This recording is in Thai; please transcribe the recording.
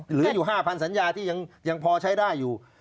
เหลืออยู่๕๐๐สัญญาที่ยังพอใช้ได้อยู่